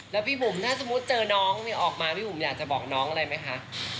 แล้วพี่บุ๋มถ้าสมมุติเจอน้องออกมาพี่บุ๋มอยากจะบอกน้องอะไรไหมคะ